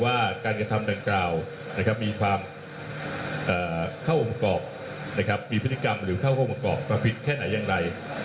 ว่าการกระทำดังกล่าวมีความเข้าโหมกอกมีพฤติกรรมหรือเข้าโหมกอกมาผิดแค่ไหนอย่างไร